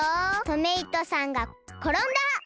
トメイトさんがころんだ！